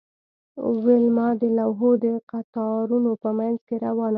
ویلما د لوحو د قطارونو په مینځ کې روانه وه